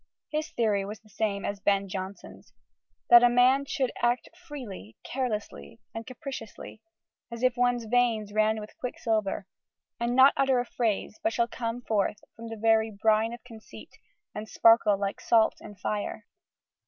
His theory was the same as Ben Jonson's, that a man should act "freely, carelessly, and capriciously, as if one's veins ran with quicksilver, and not utter a phrase but shall come forth in the very brine of conceit, and sparkle like salt in fire."